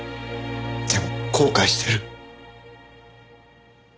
でも後悔してる。